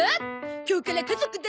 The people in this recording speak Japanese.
今日から家族だゾ！